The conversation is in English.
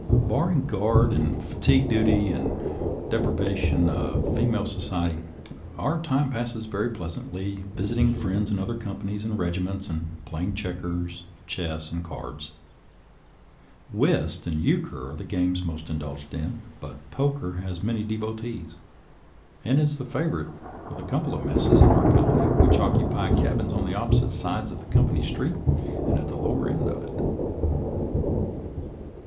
Barring guard and fatigue duty and the depri vation of female society, our time passes very pleasantly visiting friends in other companies and regiments and playing checkers, chess, and cards. Whist and euchre are the games most indulged in, but poker has many devotees, and is the favorite with a couple of messes of our com pany which occupy cabins on opposite sides of the company street and at the lower end of it.